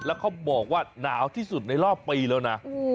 แล้วเขาบอกว่าหนาวที่สุดในรอบปีแล้วนะ